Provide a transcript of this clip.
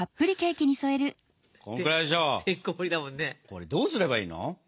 これどうすればいいの？